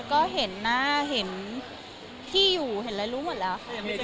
ก็เห็นหน้าเห็นที่อยู่เห็นอะไรรู้หมดแล้วค่ะ